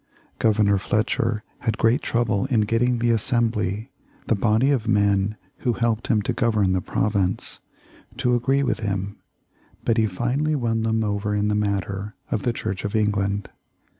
Governor Fletcher had great trouble in getting the Assembly (the body of men who helped him to govern the province) to agree with him, but he finally won them over in the matter of the Church of England.